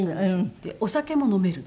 お酒も飲める。